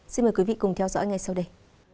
xin mời quý vị cùng theo dõi ngay sau đây